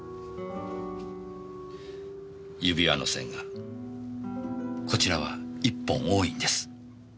指輪の線がこちらは１本多いんです。